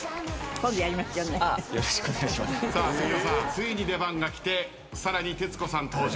ついに出番が来てさらに徹子さん登場。